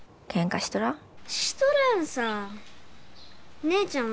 しとらんさ姉ちゃんは？